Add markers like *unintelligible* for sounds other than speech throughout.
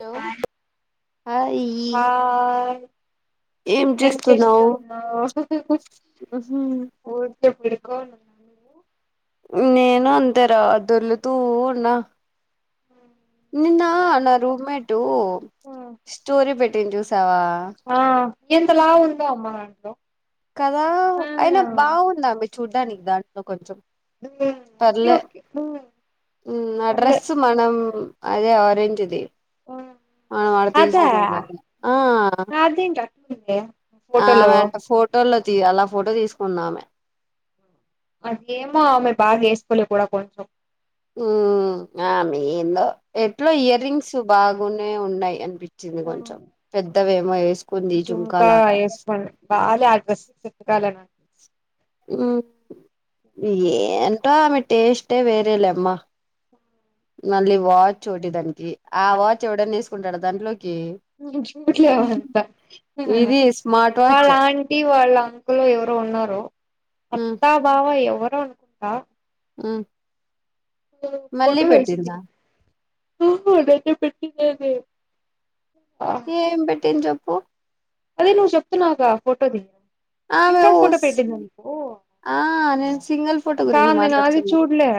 Hello hi ఆయి ఏం చేస్తున్నావు *unintelligible* నేను అంతేరా దొల్లుతూ ఉన్న నిన్న నా రూమేటు స్టోరీ పెట్టింది చూసావా ఆ ఎంత లావ ఉందో అమ్మా నాకు కదా అయినా బాగుందా దాంట్లో చూడ్డానికి దాంట్లో కొంచెం ఓకే పర్లే ఓకే ఆ పర్లే డ్రెస్ మన అదే ఆరెంజ్ ది మనం ఆడ అదా తీసుకున్నాం కదా అదేంటి అట్లుంది ఫోటోలో ఆమె ఫోటోల్లోతీ అలా ఫోటో తీసుకుందామే అసలేం బాలే బాగవేసుకోలేకపోయారా కొంచం ఉ ఆ ఏందో ఎట్ల ఇయర్ రింగ్స్ బాగునే ఉన్నాయి అనిపించింది కొంచెం పెద్దవేమో వేసుకుంది జు ఇంకా యేసుకొని బాలే ఆ డ్రెస్సుకి సెట్ కాలే ఉమ్ నాకు ఏంటో ఆమె టేస్టీ వేరేలే అమ్మ ఎలా వచు చూడదది ఆ వాచ్ ఎవడైనా తీసుకుంటాడు దాంట్లో చూట్లేవ అంత ఇది స్మార్ట్ వాచ్ వాళ్ళంటి వాళ్ళ అంకులు ఎవరో ఉన్నారు హ్మ్ అత్తా బావ ఎవరో అనుకుంటా మ్ ఫోటో ఏసింది కఫోటో అయితే పెట్టినది ఏం పెట్టింది చెప్పు అదే నువ్వు చెప్తున్నాగా ఫోటో ది ఆమె సింగల్ ఫోటో ఊస్ పెట్టింద నీకు ఆ నేను సింగిల్ ఫోటో గురించి కాదు నేను అది మాట్లాడుతున్నా చూడలే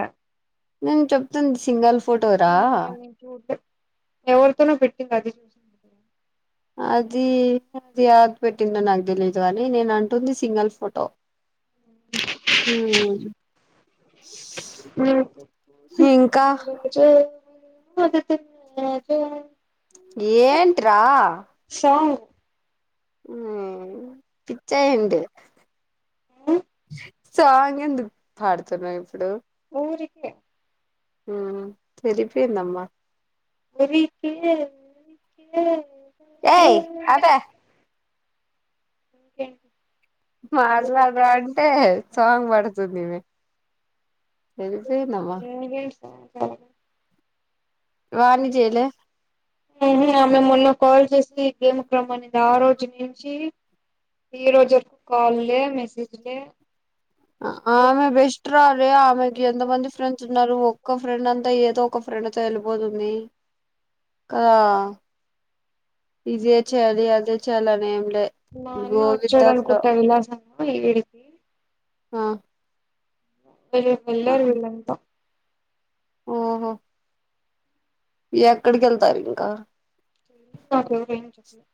నేను చెప్తుంది సింగల్ ఫోటోరా నేను చూడలే ఎవరితోనో పెట్టింది అది చూసింది అది అది యాద్ పెట్టిందో నాకు తెలీదు కని నేను అంటుంది సింగిల్ ఫోటో మ్ ఈ రోజు అద జ ఏంట్రా సాంగ్ మ్ పిచ్చా ఏంటి సాంగ్ ఎందుకు పాడుతున్నావ్ ఇప్పుడు ఊరికే అ సరిపోందమ్మా ఉరికే ఊరికే ఊరికే ఏయ్ అదే ఇంకే మాట్లాడ్ర అంటే సాంగ్ బడుతుంది ఈమే ఎల్లిపోయినావ సమాచారం వానిజేయలే మ్ హు అమే మొన్న కాల్ చేసి గేమ్ కి రమ్మనింది ఆ రోజు నుంచి ఈ రోజు వరకు కాల్ లే మెసేజ్ లే ఆమే బేస్ ట్ర అరె ఆమెకి ఎంతమంది ఫ్రెండ్స్ ఉన్నారు ఒక్క ఫ్రెండ్ అంతా ఏదో ఒక ఫ్రెండ్ సరిపోతుంది కద ఇదిే చేయాలి అదే చెయాలి అని ఏం లే గో విత్ ద ఫ్లో ప్ ఇడికి ఆ వీళ్ళు ఆ వెళ్ళారు విళ్ళంత ఓహో ఎక్కడికి వెళ్తారు ఇంకా నాకెవరు ఏం చెప్పలే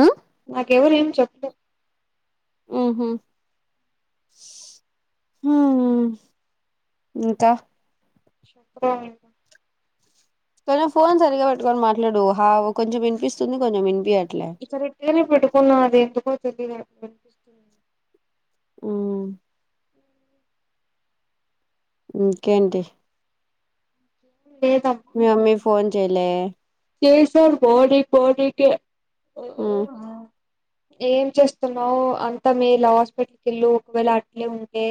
ఉ నాకెవరు ఏం చెప్పలే మ్ హు హ ఇంకా చెప్పు రా ఇంకా కొంచెం ఫోన్ సరిగ్గా పెట్టుకొని మాట్లాడు హ కొంచెం వినిపిస్తుంది కొంచెం వినిపి ఇసరి ఇట్లనే పెట్టుకున్నా అది ఎందుకో తెలియదు అట్ వినిపిస్తుంది అ ఇంకేంటి లేదమ్మా మీ మమ్మీ ఫోన్ చేయలే చేసానుకో నిక్ పోనికే హ్మ్ ఏం చేస్తున్నావు్ అంతా మీ హాస్పిటల్కి వెళ్ళు ఒకవేళ అట్లే ఉంటే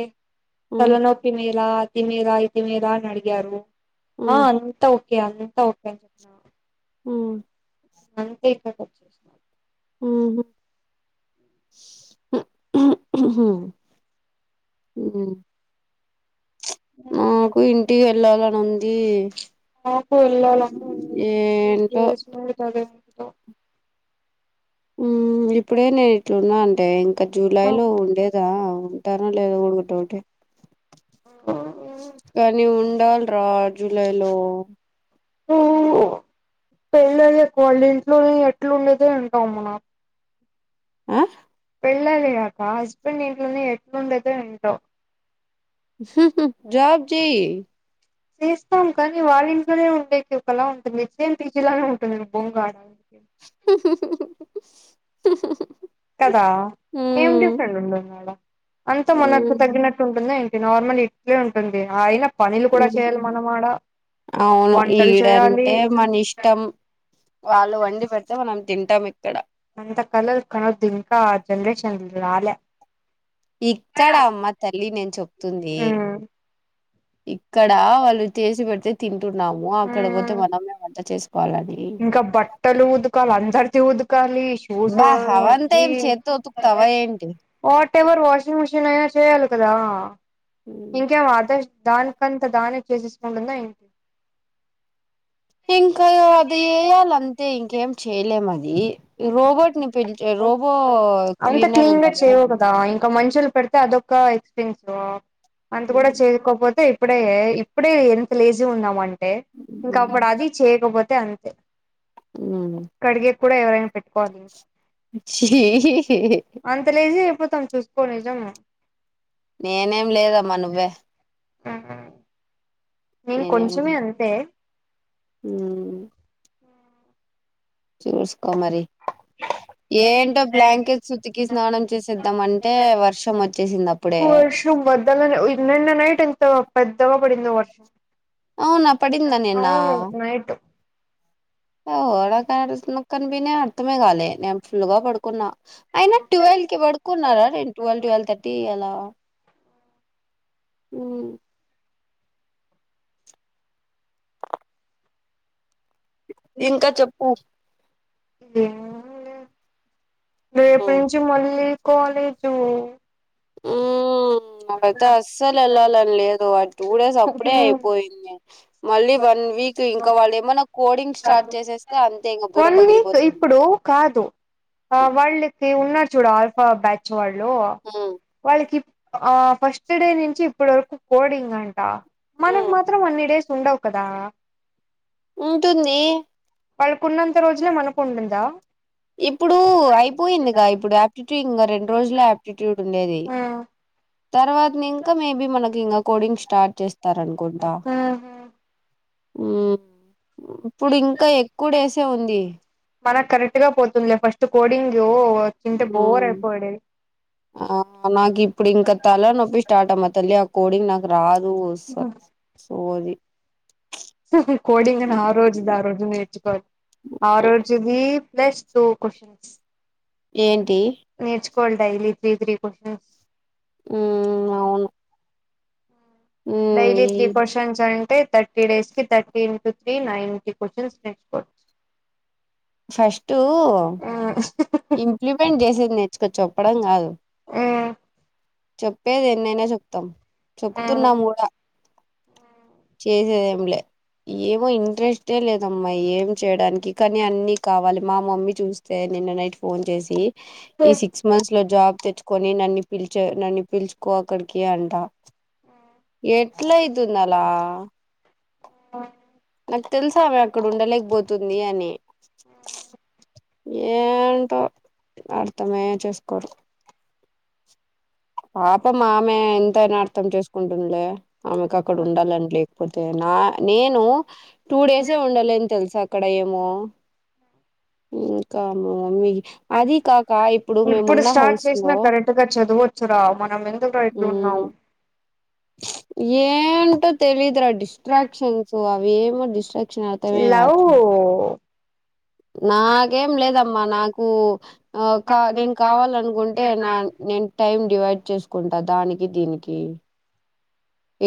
హ్మ్ తలనొప్పి మీేర అతిమీర ఇతిమీర అని అడిగారు ఆ హ్మ్ అంతా ఓకే అంతా ఓకే అని చెప్పిన మ్ అంతే ఇక్కడ వచ్చేసిన మ్ హు మ్ నాకు ఇంటికి వెళ్ళాలనింది నాకు వెళ్లాలని ఉంది ఏంటో ఇంకేస్ *unintelligible* మ్ ఇప్పుడే నేను ఇట్లున్నా అంటే ఇంకా జూలై లో ఉండే ా ఉంటనో లేదో కుడా డౌటే కానీ ఉండాల్ ట్రాజులైలో ఓ పెళ్ళయ్యాక వాళ్ళ ఇంట్లోనే ఎట్లుండేదో ఏంటో అమ్మ నాక్ ఆ పెళ్ళాయ్యాక హస్బెండ్ ఇంట్లోనే ఎట్లుండేదో ఏంటో జాబ్ చెయ్ చేస్తాం కానీ వాళ్ళ ఇంట్లోనే ఉండేకి ఒకలా ఉంటది సేమ్ పి జీ లానే ఉంటుంది నిమ్ పొంగానే కదా ఏం హ్మ్. డిఫరెంట్ ఉంటుంది ఆడ అంత మనకు హ్మ్. తగ్గినట్టు ఉంటుంద ఎం టి నార్మల్ ఇట్లే ఉంటుంది హాయిగా అవును వంటలు చేయాలి ఈడంటే మన ఇష్టం వాళ్ళు వండి పెడితే మనం తింటాం ఇక్ అంత కలల్ కనొద్దు ఇంకా అ జనరేషన్ రాలే ఇక్కడమ్మ తల్లి నేను చెప్తుంది ఉమ్ ఇక్కడ వాళ్ళు చేసి పెడితే తింటున్నాము అక్కడ పోతే ఉమ్ మనమే వంట చేస్ ఇంకా బట్టలు ఊతుకాలే అందార్ది ఊత్ కాళీ షూస్ బా అవంతా ఏం చేత్తో ఉతుకుతావా *unintelligible* ఏంటి వట్ ఎవర్ వషింగ్ మిషిన్ అయినా చేయాలి కదా ఇంకేమో అద్ దానికంత దాని చేసేసుకుంటుందా ఎంటి ఇంకా అది వేయాలి అంతే ఇంకేం చేయలేమని ది రోబోట్ ని పె రోబో క్లీనర్ ఉంటారా ఒక మనుషులు పెడితే అదొక ఎక్స్పీరియన్స్ అంత కూడా చేయకోపోతే ఇప్పుడే ఇప్పుడే ఎంత లేజీ ఉన్నాము అంటే ఇంకా అప్పుడు అది చేయకపోతే అం ఉమ్ కడిగేకి కూడా ఎవరైనా పెట్టుకోవాలి ఇంకా హ అంత లేజీ అయిపోతాం చూసుకో నిజము నేనేం లేదమ్మా నువ్వే నేను కొంచమే అంతే మ్ చూస్కో మరి ఏంటో బ్లాంకెట్ ఉతికి స్నానం చేసేద్దాం అంటే వర్షం వచ్చేసింది అప్పుడే వర్దలనే నిన్న నైట్ ఎంత పెద్దగ పడిందో వర్షం అవునా పడింద నిన్న అవును నైట్ ఓ నాకు ఆ రోజు కనిపినే అర్థమే కాలే నేను ఫుల్గా పడుకున్నా అయినా ట్వెల్కి పడుకున్నారా నేను ట్వెల్ ట్వెల్ థర్టీ అలా మ్ ఇంకా చెప్పు ఏముంది రేపటి హ్మ్. నుంచి మళ్ళీ కాలేజు మ్ నాకైతే అస్సలెళ్ళాలని లేదు ఆ టూ డేస్ అప్పుడే అయిపోయింది మళ్ళీ వన్ వీక్ ఇంకా వాళ్ళు ఏమనా కోడింగ్ స్టార్ట్ చేసేస్తే అంతే ఇంకా బుర వన్ వీక్ పగిలిపోతుంది ఇప్పుడు కాదు ఆ హ్మ్. వాళ్ళకి ఉన్నారు చూడు ఆల్ఫా బ్యాచ్ వాళ్ళు హ్మ్. వాళ్ళకి ఆ ఫస్ట్ డే నుంచి ఇప్పడు వరకు కోడింగ్ అంట మనకు హ్మ్. మాత్రం అన్ని డేస్ ఉండవు కదా ఉంటుంది వాళ్ళకున్నంత రోజులే మనకు ఉంటుందా ఇప్పుడు అయిపోయిందిగా ఇప్పుడు యాప్టిట్యూడ్ ఇంగా రెండు రోజులె యాప్టిట్యూడ్ ఉండేది తర్వాతని ఇంకా మేబీ మనకి ఇంకా కోడింగ్ స్టార్ట్ చేస్ తరంగుంట మ్ ఉంది మనక్కరెక్ట్ గా పోతుందిలె ఫస్ట్ కోడింగ్ యో వర్కంటే మ్మ్. బోరేపాడే ఆ నాకు ఇప్పుడు ఇంకా తల నొప్పి స్టార్ట్ అమ్మా తల్లి అ కోడింగ్ నాకు రాదు నువ్వు స సోది కోడింగ్ని ఆ రోజుది ఆరోజు నేర్చుకోవాలి ఆ రోజుది ప్లస్ తో కొషన్స్ ఏంటి కల్ డైలీ త్రీ త్రీ కొషన్స్ మ్ అవును మ్మ్, డైలీ ఈ త్రీ క్వషన్స్ అంటె థర్టీ డేస్ కి thirty into three ninety questions నేర్చుకోవచ్చు ఫస్ట్ ఇంప్లిమెంట్ చేసేది నేర్చుకో చెప్పడం కాదు చెప్పేది ఎన్నైనా చెప్తాం చెప్తున్నాము కూడా చేసేదేంలే ఏమో ఇంట్రెస్టే లేదమ్మా ఏ చేయడానికి కానీ అన్ని కావాలి మా మమ్మీ చూస్తే నిన్న నైట్ ఫోన్ చేసి ఈ సిక్స్ మంత్స్ లో జాబ్ తెచ్చుకొని నన్ను పిలిచ నన్ను పిలుచుకో అక్కడికి అంట ఎట్లాయితుందలా నాకు తెలుసామె అక్కడ ఉండలేకపోతుంది అని ఏంటో అర్థమే చేస్కోరు పాపంమామె ఎంతైనా అర్థం చేసుకుంటుందిలే ఆమెకు అక్కడ ఉండాలని లే పోతే నా నేను టూ డేసే ఉండలేనను తెలుసా అక్కడ ఏమో ఇంక మా మమ్మి అది కాక ఇప్పుడు మేమున్న హౌస్ లో చరా మనం ఎందుకురా ఇట్లున్నాం మ్మ్ ఏంటో తెలిద్ర డిస్ట్రాక్షన్స్ అవేమో డిస్ట్రా క్షన్ అర్ధమే లవ్ కావట్ల నాకేం లేదమ్మా నాకు కా నేను కావాలనుకుంటే నా నేను టైమ్ డివైడ్ చేసుకుంటా దానికి దీనికి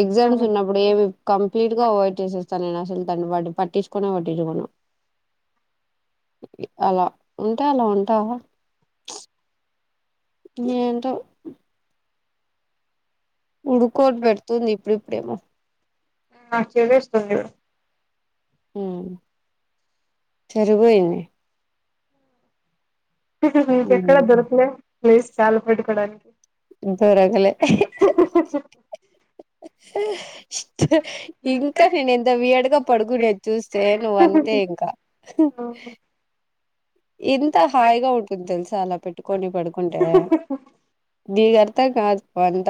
ఎగ్జామ్స్ ఉన్నప్పుడు ఏమి కంప్లీట్ గా అవాయిడ్ చేసేస్ తన్న అసలు తన్ని వాడు పట్టిచ్చుకొనే పట్టిచ్చుకొను అలా ఉంటను ఉంటా ఏంటో ఉడుకోటి పెడుతుంది ఇప్పుడు ఇప్పుడేమో నాకు చలేస్తుంది చూడు మ్ సరిపోఇంది ఇంకెక్కడ మ్మ్ దొరకులే ప్లేస్ కళ్ళు పెట్టుకోడానికి దొరకలే ఇ ఇంకా నేను ఎంత వీయడ్ గా పడుకునేది చూస్తే నువ్్వ అంతే ఇంకా ఇంత హాయిగా ఉంటుంది తెలుస అలా పెట్టుకొని పడుకుంటే నీకు అర్ధం కాదు పంట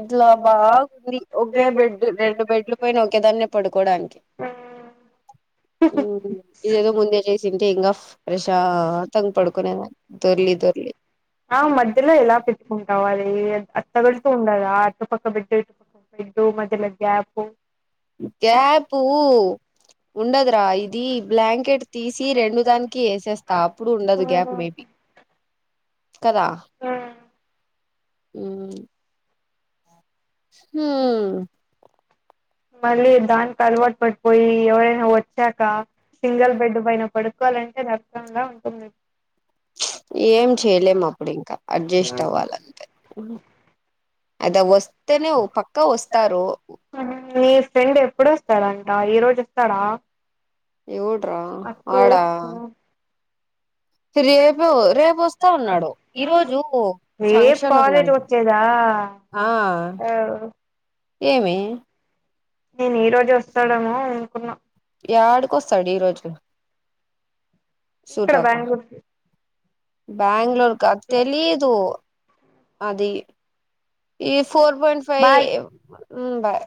ఇట్లా బాగుంది ఒకే బెడ్ రెండు బెడ్లు పోయిన ఒకే దాన్ని పడుకోడానికి మ్ హు ఇదేదో ముందే చేస్ తుంటే ఇింగా రెషా ప్రశాంతంగా పడుకునేదన్ని దొర్లి దొర్లి ఆ మధ్యలో ఎలా పెట్టుకుంటావ్ అది అది తాగుల్తూ ఉండదా ఒక పక్క బెడ్డు ఇటు పక్క బెడ్డు మధ్యల గ్యాప్ గ్యాపు ఉండదురా ఇది బ్లాంకెట్ తీసి రెండు దానికి వేసేస్తా అప్పుడు ఉండదు గ్యాప్ మేబీ కదా మ్ హు మ్ మళ్ళీ దానికి అలవాటు పడిపోయి ఎవరైనా వచ్చాక సింగల్ బెడ్ పైన పడుకోవాలంటే కష్టంగ ఉంటుంది ఏం చేయలేము అప్పుడు ఇంకా అడ్జస్ట్ అవ్వాలంతే అద వస్తనే ఒ పక్కా వస్తారు మీ ఫ్రెండ్ ఎప్పుడుొస్తాడంట ఈ రోజు వస్తాడా ఎవడ్రా అక్కు ఆడా రేపు రేపు వస్తా అన్నాడు ఈ రోజు రేప్ ఫంక్షన్ కాలేజ్ ఉందంట వచ్చేద ఆ ఆ అవ్ ఏమి నేను ఈ రోజు వస్తాడేమో అనుకున్నా ఎడికోస్తాడు ఈరోోజు ఇక్కడ సూటోకా బెంగళూరుకి బ్యాగ్ళూరుక తెలీదు అది ఈ ఫోర్ పాయింట్ ఫై బాయ్ మ్ బాయ్